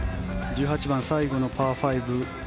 １８番、最後のパー５。